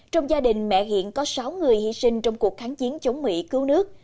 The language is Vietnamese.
trong gia đình mẹ hiện có sáu người hy sinh trong cuộc kháng chiến chống mỹ cứu nước